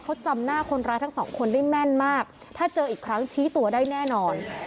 เขาจำหน้าคนร้ายทั้งสองคนได้แม่นมากถ้าเจออีกครั้งชี้ตัวได้แน่นอน